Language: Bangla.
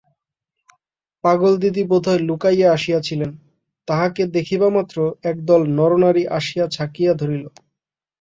পাগলদিদি বোধহয় লুকাইয়া আসিয়াছিলেন, তাহাকে দেখিবামাত্র একদল নরনারী আসিয়া ছাকিয়া ধরিল।